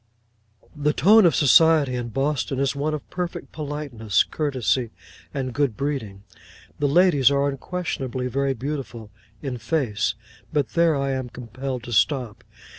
The tone of society in Boston is one of perfect politeness, courtesy, and good breeding. The ladies are unquestionably very beautiful—in face: but there I am compelled to stop.